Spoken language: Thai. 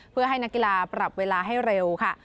เพื่อให้นักกีฬาปรับเวลาให้เร็วค่ะ